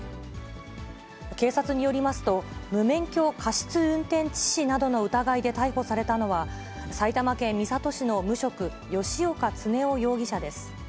警察によりますと、無免許過失運転致死などの疑いで逮捕されたのは、埼玉県三郷市の無職、吉岡恒夫容疑者です。